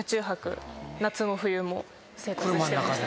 夏も冬も生活してました。